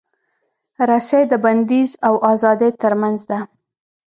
رسۍ د بندیز او ازادۍ ترمنځ ده.